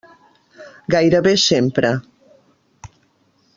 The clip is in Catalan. Gairebé sempre.